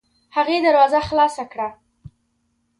هغې دروازه خلاصه کړه.